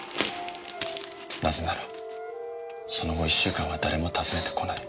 なぜならその後１週間は誰も訪ねてこない。